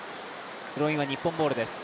スローインは日本ボールです。